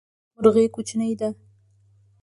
مرغی کوچنی ده